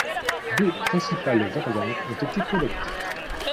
Deux principales variantes ont été collectées.